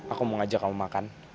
aku mau ngajak kamu makan